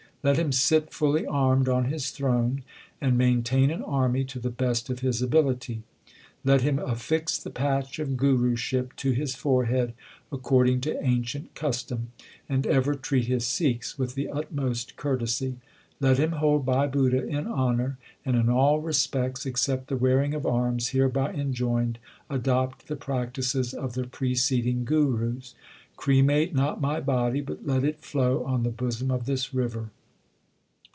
Let him sit fully armed on his throne, and maintain an army to the best of his ability. Let him affix the patch of Guruship to his forehead according to ancient custom, and ever treat his Sikhs with the utmost courtesy. Let him hold Bhai Budha in honour, and in all respects, except the wearing of arms hereby enjoined, adopt the practices of the preceding Gurus. Cremate not my body, but let it flow on the bosom of this river.